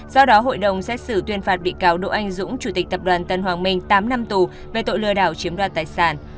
do đó hội đồng xét xử tuyên phạt bị cáo đỗ anh dũng chủ tịch tập đoàn tân hoàng minh tám năm tù về tội lừa đảo chiếm đoạt tài sản